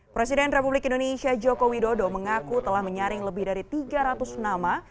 presiden republik indonesia joko widodo mengaku telah menyaring lebih dari tiga ratus nama